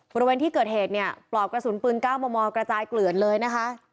บริเวณที่เกิดเหตุเนี่ยปลอกกระสุนปืน๙มมกระจายเกลือนเลยนะคะ